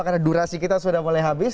karena durasi kita sudah mulai habis